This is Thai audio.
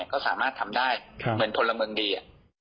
ก็สามารถทำได้เหมือนพลเมืองดี